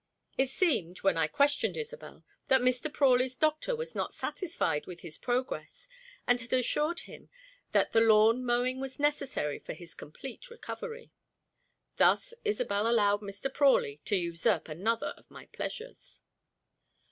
It seemed, when I questioned Isobel, that Mr. Prawley's doctor was not satisfied with his progress and had assured him that lawn mowing was necessary for his complete recovery. Thus Isobel allowed Mr. Prawley to usurp another of my pleasures.